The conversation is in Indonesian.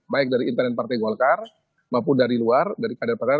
baik dari internet partai golkar maupun dari luar dari kader kader